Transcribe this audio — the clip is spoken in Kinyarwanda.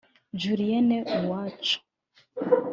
Julienne Uwacu